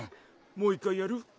もう一回やる？